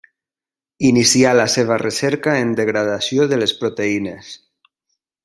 Inicià la seva recerca en la degradació de les proteïnes.